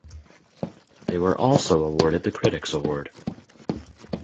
They were also awarded the critics award.